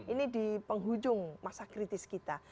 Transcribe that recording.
ini di penghujung masa kritis kita